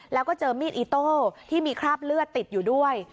แล้วก็เจอมีดอิโต้ที่มีคราบเลือดติดอยู่ด้วย